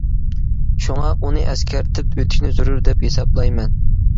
شۇڭا، ئۇنى ئەسكەرتىپ ئۆتۈشنى زۆرۈر دەپ ھېسابلايمەن.